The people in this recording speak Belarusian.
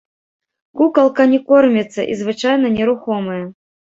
Кукалка не корміцца і звычайна нерухомая.